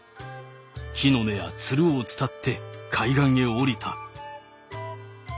木の根やつるを伝って海岸へ下りた」。